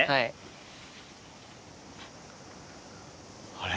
あれ？